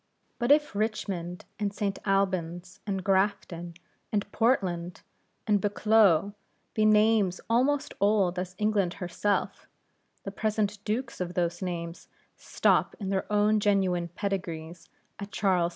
But if Richmond, and St. Albans, and Grafton, and Portland, and Buccleugh, be names almost old as England herself, the present Dukes of those names stop in their own genuine pedigrees at Charles II.